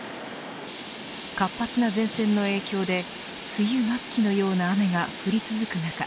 活発な前線の影響で梅雨末期のような雨が降り続く中